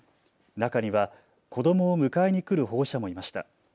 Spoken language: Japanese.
中には子どもを迎えに来る保護者もいました。